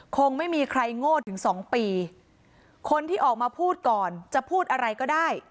คงไม่มีใครโง่ถึงสองปีคนที่ออกมาพูดก่อนจะพูดอะไรก็ได้